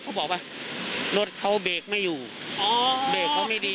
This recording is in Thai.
เขาบอกว่ารถเขาเบรกไม่อยู่เบรกเขาไม่ดี